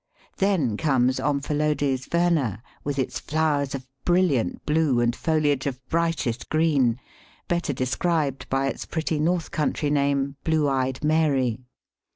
Then comes Omphalodes verna, with its flowers of brilliant blue and foliage of brightest green, better described by its pretty north country name, Blue eyed Mary.